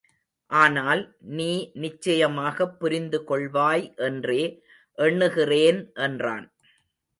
ஆனால், நீ நிச்சயமாகப் புரிந்து கொள்வாய் என்றே எண்ணுகிறேன் என்றான்.